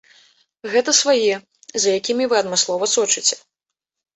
Гэта свае, за якімі вы адмыслова сочыце.